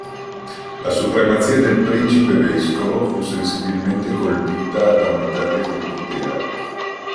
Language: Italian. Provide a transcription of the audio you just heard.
La supremazia del principe-vescovo fu sensibilmente colpita da una perdita di potere.